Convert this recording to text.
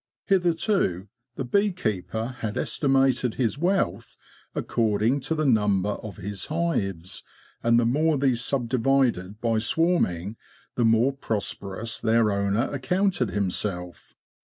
Hitherto the bee keeper had estimated his wealth according to the number of his hives, and the more these subdivided by swarming, the more prosperous their owner accounted himself.